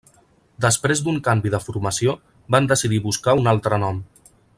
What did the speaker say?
Després d'un canvi de formació, van decidir buscar un altre nom.